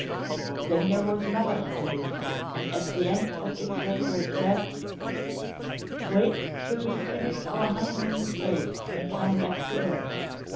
Then there was another interlude, and at the end of it Redgrave said: "Wait till we've finished our honeymoon in space, and come back to earth.